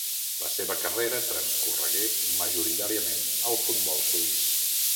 La seva carrera transcorregué majoritàriament al futbol suís.